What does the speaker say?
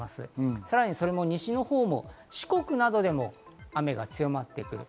さらに西のほうも四国などでも雨が強まってくる。